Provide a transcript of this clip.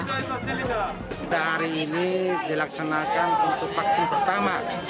sudah hari ini dilaksanakan untuk vaksin pertama